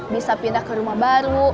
bisa pindah ke rumah baru